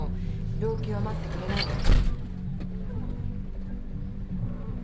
病気は待ってくれないもの。